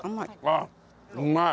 あっうまい。